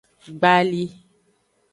Gbali.